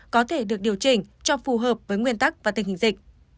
có thể được điều chỉnh cho phù hợp với nguyên tắc và tình hình dịch